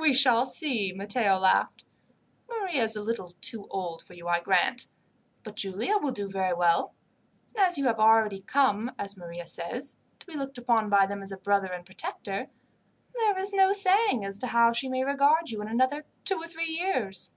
"We shall see," Matteo laughed. "Maria is a little too old for you, I grant, but Giulia will do very well; and as you have already come, as Maria says, to be looked upon by them as a brother and protector, there is no saying as to how she may regard you in another two or three years."